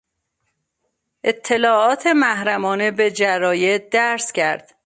اطلاعات محرمانه به جراید درز کرد.